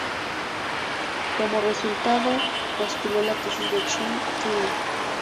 Como resultado se postuló la Tesis de Church-Turing.